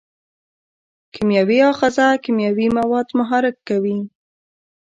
کیمیاوي آخذه کیمیاوي مواد محرک کوي.